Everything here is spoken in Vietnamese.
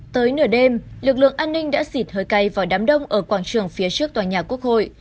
tới nửa đêm lực lượng an ninh đã xịt hơi cay vào đám đông ở quảng trường phía trước tòa nhà quốc hội